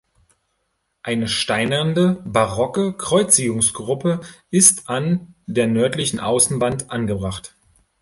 Eine steinerne barocke Kreuzigungsgruppe ist an der nördlichen Außenwand angebracht.